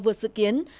vượt dự kiến